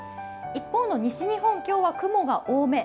一方の西日本、今日は雲が多め。